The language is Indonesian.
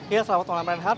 ya selamat malam renhardt